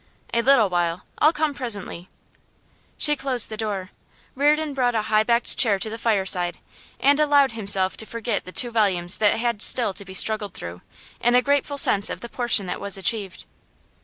'A little while. I'll come presently.' She closed the door. Reardon brought a high backed chair to the fireside, and allowed himself to forget the two volumes that had still to be struggled through, in a grateful sense of the portion that was achieved.